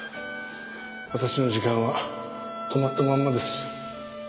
私の時間は止まったまんまです。